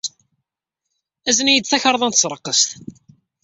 Azen-iyi-d takarḍa n tesreqqest.